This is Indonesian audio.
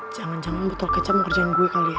jangan jangan butuh kecap mau kerjain gue kali ya